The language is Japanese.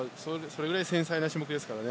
それくらい繊細な種目ですから。